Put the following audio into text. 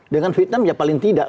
dengan vietnam ya paling tidak